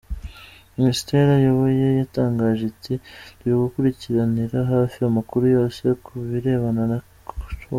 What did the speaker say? Minisiteri ayoboye yatangaje iti “Turi gukurikiranira hafi amakuru yose ku birebana na Choe”.